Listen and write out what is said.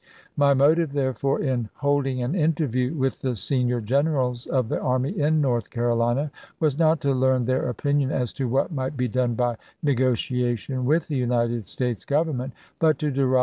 .. My motive, therefore, in hold ing an interview with the senior generals of the army in North Carolina was not to learn their opinion as to what might be done by negotiation u iSjTaSci W^n the United States Government, but to derive Faconfed?